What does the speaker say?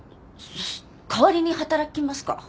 代わりに働きますか？